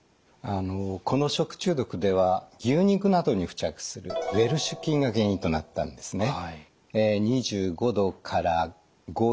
この食中毒では牛肉などに付着するウエルシュ菌が原因となったんですね。